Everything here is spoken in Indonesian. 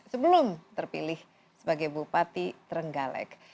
sebelum terpilih sebagai bupati trenggalek